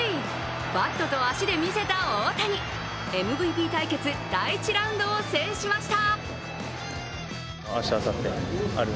バットと足で見せた大谷ＭＶＰ対決第１ラウンドを制しました。